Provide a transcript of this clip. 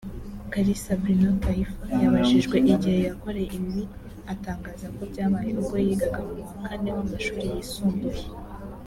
Kalisa Bruno Taifa yabajijwe igihe yakoreye ibi atangaza ko byabaye ubwo yigaga mu wa kane w’amashuri yisumbuye